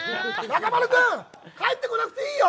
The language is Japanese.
中丸君、帰ってこなくていいよ！